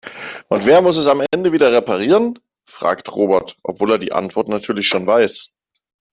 Und wer muss es am Ende wieder reparieren?, fragt Robert, obwohl er die Antwort natürlich schon weiß.